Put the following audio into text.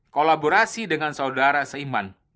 kolaborasi dengan saudara seiman